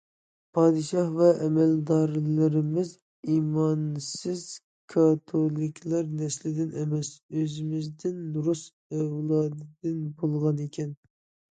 پادىشاھ ۋە ئەمەلدارلىرىمىز ئىمانسىز كاتولىكلار نەسلىدىن ئەمەس، ئۆزىمىزدىن، رۇس ئەۋلادىدىن بولغانىكەن.